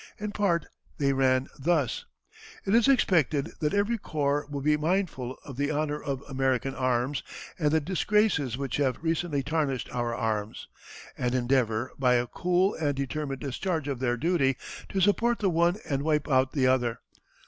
In part they ran thus: "It is expected that every corps will be mindful of the honor of American arms and the disgraces which have recently tarnished our arms, and endeavor, by a cool and determined discharge of their duty, to support the one and wipe out the other.